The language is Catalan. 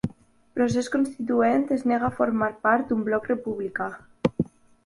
Procés Constituent es nega a formar part d'un bloc republicà